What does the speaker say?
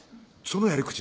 そのやり口